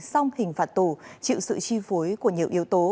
xong hình phạt tù chịu sự chi phối